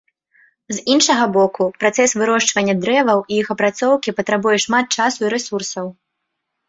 З іншага боку, працэс вырошчвання дрэваў і іх апрацоўкі патрабуе шмат часу і рэсурсаў.